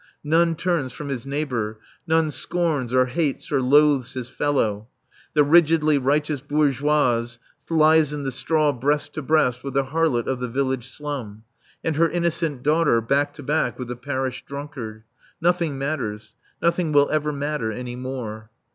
None turns from his neighbour; none scorns or hates or loathes his fellow. The rigidly righteous bourgeoise lies in the straw breast to breast with the harlot of the village slum, and her innocent daughter back to back with the parish drunkard. Nothing matters. Nothing will ever matter any more.